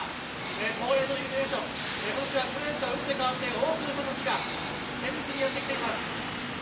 恒例のイルミネーション、今年は去年とは打って変わって多くの人たちが見物にやってきています。